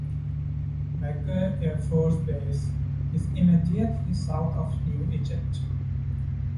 McGuire Air Force Base is immediately south of New Egypt.